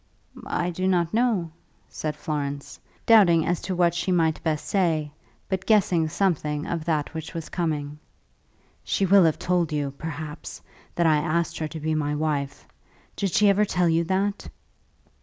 "I do not know," said Florence, doubting as to what she might best say, but guessing something of that which was coming. "She will have told you, perhaps, that I asked her to be my wife. Did she ever tell you that?"